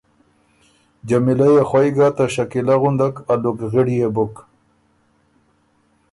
جمیلۀ يې خوئ ګۀ ته شکیلۀ غُندک الُکغِړيې بُک۔